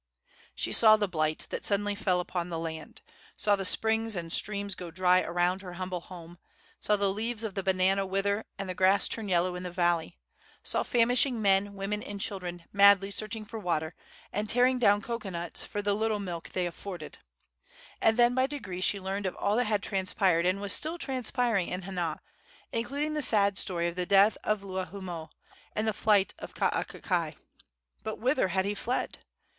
She saw the blight that suddenly fell upon the land; saw the springs and streams go dry around her humble home; saw the leaves of the banana wither and the grass turn yellow in the valley; saw famishing men, women and children madly searching for water, and tearing down cocoanuts for the little milk they afforded; and then by degrees she learned of all that had transpired and was still transpiring in Hana, including the sad story of the death of Luahoomoe and the flight of Kaakakai. But whither had he fled?